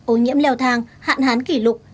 ô nhiễm leo thang hạn hán kỷ lục